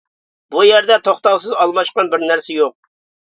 بۇ يەردە توختاۋسىز ئالماشقان بىر نەرسە يوق.